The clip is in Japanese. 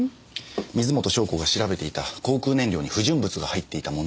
水元湘子が調べていた航空燃料に不純物が入っていた問題